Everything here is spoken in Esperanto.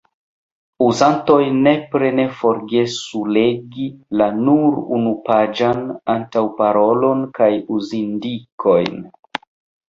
Uzantoj nepre ne forgesu legi la – nur unupaĝan – antaŭparolon kaj uzindikojn.